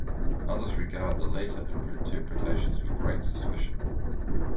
Others regard the latter interpretations with great suspicion.